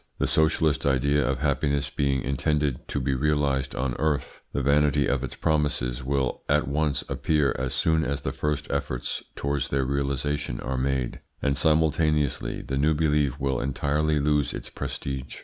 The socialist ideal of happiness being intended to be realised on earth, the vanity of its promises will at once appear as soon as the first efforts towards their realisation are made, and simultaneously the new belief will entirely lose its prestige.